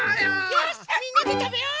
よしっみんなでたべよう！